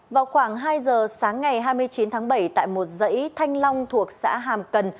vào khoảng hai giờ sáng ngày hai mươi chín tháng bảy tại một dãy thanh long thuộc xã hàm cần